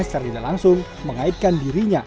tidak langsung mengaitkan dirinya